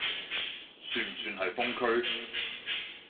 算唔算係封區？